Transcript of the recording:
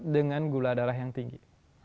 dengan gula darah yang tinggi